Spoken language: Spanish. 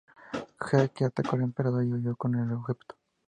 Jacqui atacó al emperador y huyó con el objeto.